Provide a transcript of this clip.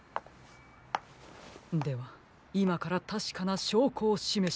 ではいまからたしかなしょうこをしめしましょう。